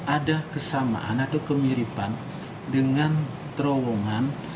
ada kesamaan atau kemiripan dengan terowongan